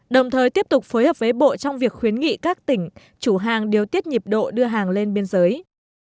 đồng thời tiếp tục phối hợp với bộ trong việc khuyến nghị các tỉnh chủ hàng điều tiết nhịp độ đưa hàng lên biên giới